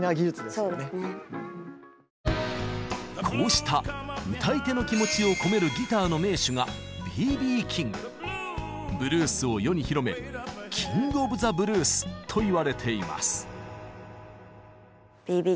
こうした歌い手の気持ちを込めるギターの名手がブルースを世に広めキング・オブ・ザ・ブルースといわれています。